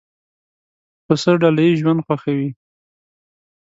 پسه ډله ییز ژوند خوښوي.